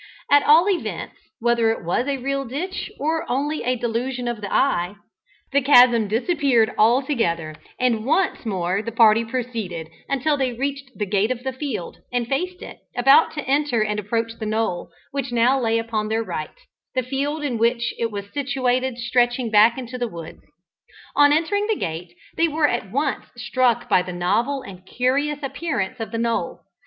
At all events, whether it was a real ditch or only a delusion of the eye, the chasm disappeared altogether, and once more the party proceeded, until they reached the gate of the field, and faced it, about to enter and approach the knoll, which now lay upon their right, the field in which it was situate stretching back into the woods. On entering the gate, they were at once struck by the novel and curious appearance of the knoll.